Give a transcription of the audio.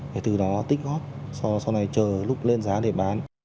để từ đó tích góp sau này chờ lúc lên giá để bán